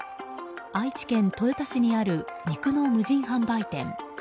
愛知県豊田市にある肉の無人販売店。